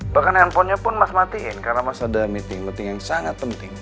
bahkan handphonenya pun mas matiin karena masih ada meeting meeting yang sangat penting